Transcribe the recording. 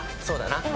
そうだな。